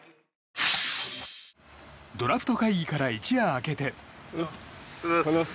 ドラフト会議から一夜明けて。